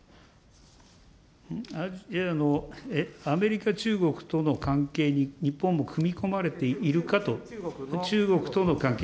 アメリカ、中国との関係に日本も組み込まれているかと、中国との関係。